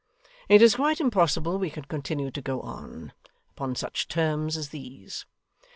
It is quite impossible we can continue to go on, upon such terms as these.